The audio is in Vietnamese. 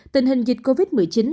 tình hình dịch covid một mươi chín